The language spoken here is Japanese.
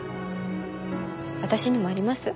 私にもあります？